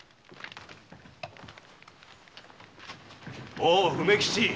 おお梅吉！